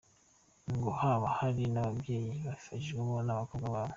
Ngo haba hari n’ababyeyi babifashamo abakobwa babo.